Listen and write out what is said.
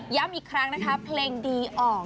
อีกครั้งนะคะเพลงดีออก